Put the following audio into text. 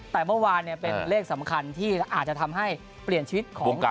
แต่เมื่อวานเป็นเลขสำคัญที่อาจจะทำให้เปลี่ยนชีวิตของ